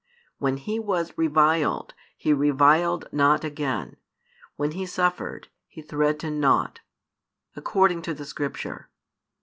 When He was reviled, He reviled not again; when He suffered, He threatened not, according to the Scripture.